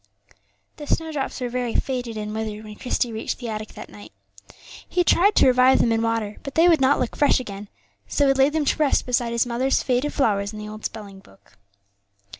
The snowdrops were very faded and withered when Christie reached the attic that night. He tried to revive them in water, but they would not look fresh again; so he laid them to rest beside his mother's faded flowers in the old spelling book.